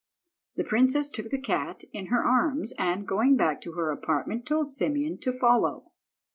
The princess took the cat in her arms, and going back to her apartment, told Simeon to follow.